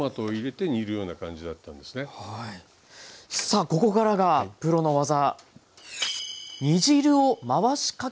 さあここからがプロの技！